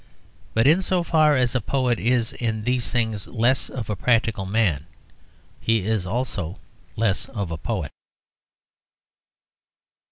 But in so far as a poet is in these things less of a practical man he is also less of a poet.